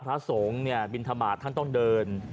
พระสงฆ์เนี่ยบินทบาทท่านต้องเดิน